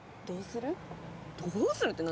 どうする？